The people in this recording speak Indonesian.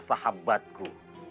kamu adalah putra sahabatku